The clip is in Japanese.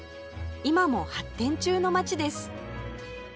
今も発展中の街です